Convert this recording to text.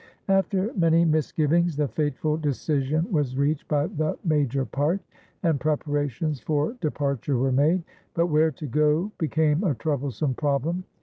After many misgivings, the fateful decision was reached by the "major parte," and preparations for departure were made. But where to go became a troublesome problem.